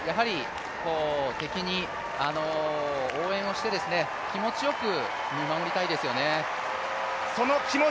敵に応援をして気持ちよく見守りたいですよね。